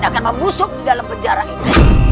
dan akan membusuk di dalam penjara ini